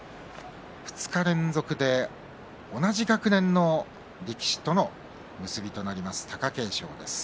２日連続で同じ学年の力士との結びとなりました、貴景勝です。